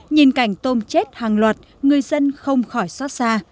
nhìn cảnh tôm chết hàng loạt người dân không khỏi xót xa